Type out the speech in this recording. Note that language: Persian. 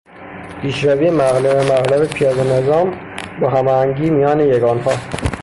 پیشروی مرحله به مرحلهی پیاده نظام با هماهنگی میان یگانها